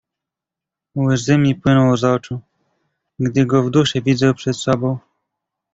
"Łzy mi płyną z oczu, gdy go w duszy widzę przed sobą."